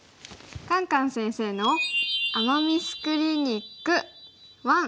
「カンカン先生の“アマ・ミス”クリニック１」。